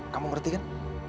kamu ngerti kan